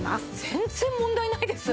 全然問題ないです。